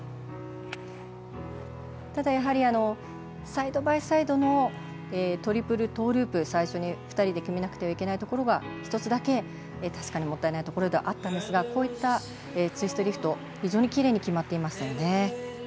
ただ、やはりサイドバイサイドのトリプルトーループ、最初に２人で決めなきゃいけないところ１つだけ、確かにもったいないところではあったんですがこういったツイストリフト非常にきれいに決まっていました。